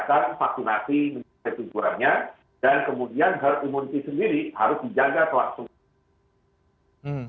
dan kemudian herd immunity sendiri harus dijangka langsung